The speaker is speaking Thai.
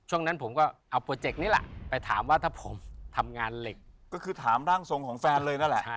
นั้นผมก็เอาโปรเจกต์นี้แหละไปถามว่าถ้าผมทำงานเหล็กก็คือถามร่างทรงของแฟนเลยนั่นแหละ